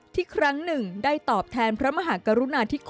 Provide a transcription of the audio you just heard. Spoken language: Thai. ที่ครั้งหนึ่งได้ตอบแทนพระมหากรุณาธ๑๙๑๗๐๙๑๒